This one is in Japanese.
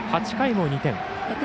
８回も２点。